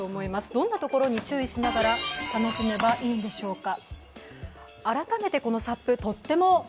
どんなところに注意しながら楽しめばいいんでしょうか。